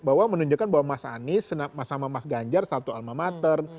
bahwa menunjukkan bahwa mas anies sama mas ganjar satu alma mater